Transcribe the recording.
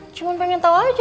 cuma pengen tau aja